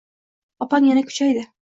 Oppang yana kuchaydi.